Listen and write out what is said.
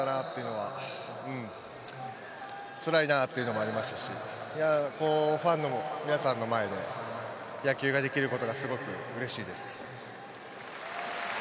いや、まぁ長かったなっていうのは、うん、つらいなっていうのもありましたし、ファンの皆さんの前で野球ができることがすごくうれしいです。